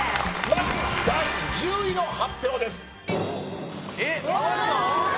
まず第１０位の発表です。